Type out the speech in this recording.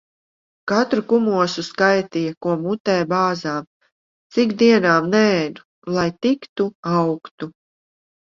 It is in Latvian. Katru kumosu skaitīja, ko mutē bāzām. Cik dienām neēdu, lai tik tu augtu.